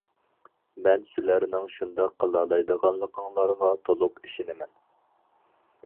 مەن سىلەرنىڭ شۇنداق قىلالايدىغانلىقىڭلارغا تولۇق ئېشىنىمەن.